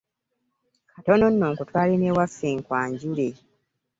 Katono nno nkutwale n'ewaffe nkwanjule.